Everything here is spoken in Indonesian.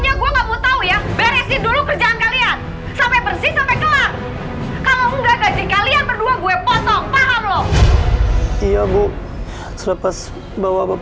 ya udah bu